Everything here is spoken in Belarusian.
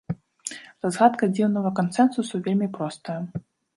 Разгадка дзіўнага кансэнсусу вельмі простая.